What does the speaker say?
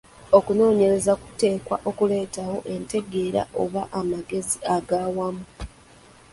Okunoonyereza kuteekwa okuleetawo entegeera oba amagezi aga wamu.